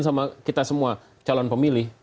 sama kita semua calon pemilih